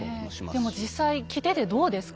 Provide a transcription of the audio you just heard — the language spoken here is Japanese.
でも実際着ててどうですか？